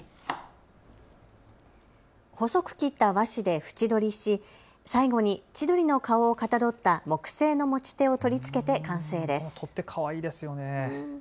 細く切った和紙で縁取りし最後に千鳥の顔をかたどった木製の持ち手を取り付けて完成です。